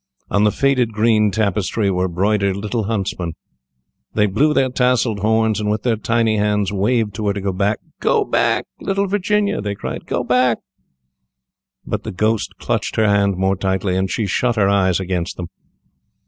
On the faded green tapestry were broidered little huntsmen. They blew their tasselled horns and with their tiny hands waved to her to go back. "Go back! little Virginia," they cried, "go back!" but the ghost clutched her hand more tightly, and she shut her eyes against them.